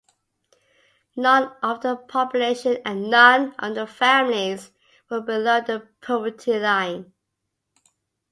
None of the population and none of the families were below the poverty line.